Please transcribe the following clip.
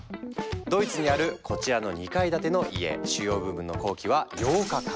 ドイツにあるこちらの２階建ての家主要部分の工期は８日間。